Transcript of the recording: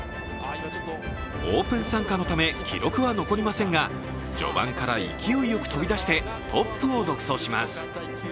オープン参加のため記録は残りませんが、序盤から勢いよく飛び出してトップを独走します。